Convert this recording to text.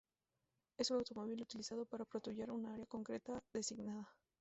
Es un automóvil utilizado para patrullar un área concreta asignada.